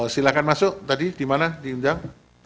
silahkan masuk tadi di mana diundang